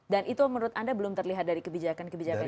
dan itu menurut anda belum terlihat dari kebijakan kebijakan ini